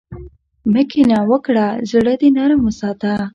مه کینه وکړه، زړۀ دې نرم وساته.